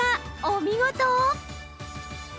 お見事！